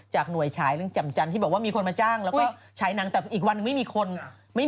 จากหน่วยฉายเรื่องจำจันที่บอกว่ามีคนมาจ้างแล้วก็